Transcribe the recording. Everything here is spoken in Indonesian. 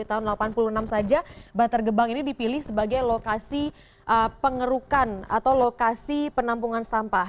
tahun seribu sembilan ratus delapan puluh enam saja bantar gebang ini dipilih sebagai lokasi pengerukan atau lokasi penampungan sampah